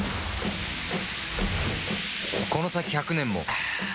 この先１００年もアーーーッ‼